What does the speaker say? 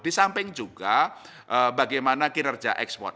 di samping juga bagaimana kinerja ekspor